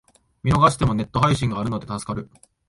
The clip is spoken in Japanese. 見逃してもネット配信があるので助かる